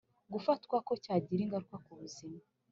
Gufatwako cyagira ingaruka ku buzima